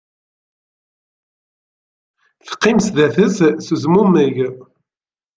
Teqqim sdat-s s uzmumeg